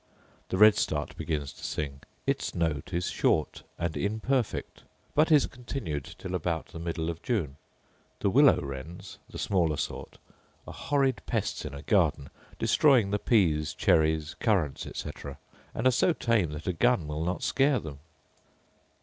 The redstart begins to sing: its note is short and imperfect, but is continued till about the middle of June. The willow wrens (the smaller sort) are horrid pests in a garden, destroying the pease, cherries, currants, etc., and are so tame that a gun will not scare them.